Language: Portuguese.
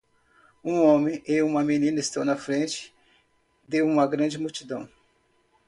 Um homem e uma menina estão na frente de uma grande multidão.